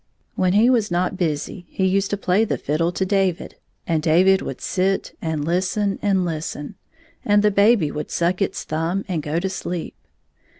When he was not busy he used to play the fid dle to David, and David would sit and Usten and listen, and the baby would suck its thumb and go to sleep.